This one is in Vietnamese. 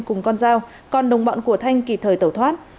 cùng con dao còn đồng bọn của thanh kịp thời tẩu thoát